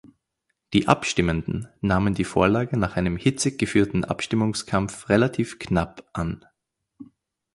Die Abstimmenden nahmen die Vorlage nach einem hitzig geführten Abstimmungskampf relativ knapp an.